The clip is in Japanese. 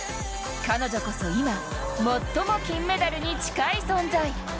彼女こそ、今最も金メダルに近い存在。